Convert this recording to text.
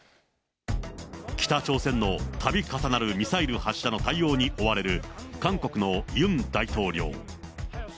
北朝鮮のたび重なるミサイル発射の対応に追われる、韓国のユン大統領。